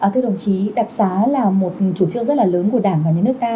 thưa đồng chí đặc sá là một chủ trương rất là lớn của đảng và nhà nước ta